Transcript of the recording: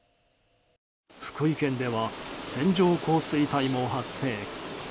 福井県では線状降水帯も発生。